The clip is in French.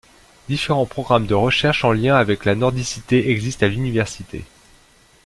Différents programmes de recherche en lien avec la nordicité existent à l'Université.